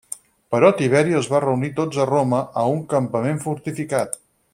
Però Tiberi els va reunir tots a Roma a un campament fortificat.